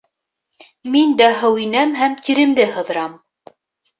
— Мин дә һыу инәм һәм тиремде һыҙырам.